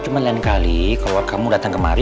hanyaitta kalau kalau kamu datang kemari